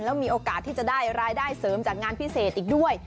แล้วมีโอกาสที่จะได้รายได้เสริมจากงานพิเศษอีกด้วย